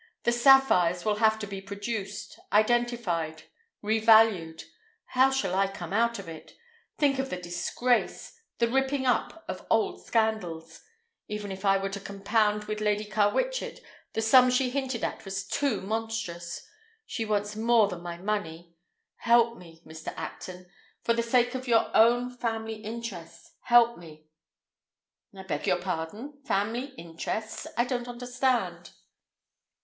"The sapphires will have to be produced, identified, revalued. How shall I come out of it? Think of the disgrace, the ripping up of old scandals! Even if I were to compound with Lady Carwitchet, the sum she hinted at was too monstrous. She wants more than my money. Help me, Mr. Acton! For the sake of your own family interests, help me!" "I beg your pardon—family interests? I don't understand."